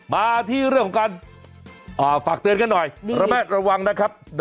มาที่เรื่องของการฝากเตือนกันหน่อยระแวดระวังนะครับ